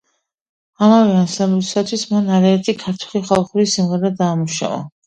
ამავე ანსამბლისათვის მან არაერთი ქართული ხალხური სიმღერა დაამუშავა.